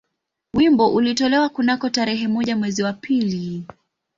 Wimbo ulitolewa kunako tarehe moja mwezi wa pili